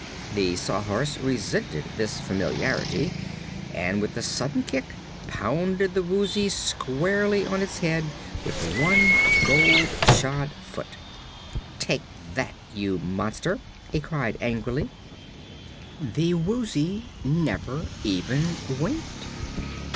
The Sawhorse resented this familiarity and with a sudden kick pounded the Woozy squarely on its head with one gold shod foot. "Take that, you monster!" it cried angrily. The Woozy never even winked.